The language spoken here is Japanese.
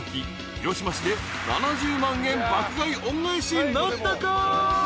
広島市で７０万円爆買い恩返しなったか？］